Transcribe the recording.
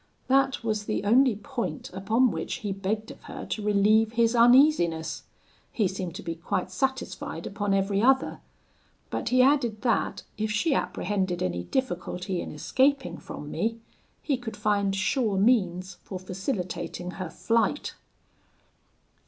That was the only point upon which he begged of her to relieve his uneasiness; he seemed to be quite satisfied upon every other: but he added that, if she apprehended any difficulty in escaping from me, he could find sure means for facilitating her flight.